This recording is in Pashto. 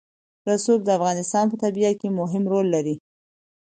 رسوب د افغانستان په طبیعت کې مهم رول لري.